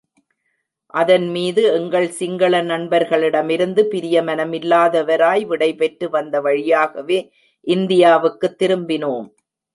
அதன்மீது எங்கள் சிங்கள நண்பர்களிடமிருந்து பிரிய மனமில்லாதவராய், விடைபெற்று, வந்த வழியாகவே இந்தியாவுக்குத் திரும்பினோம்.